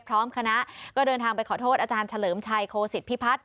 พร้อมคณะก็เดินทางไปขอโทษอาจารย์เฉลิมชัยโคศิษฐพิพัฒน์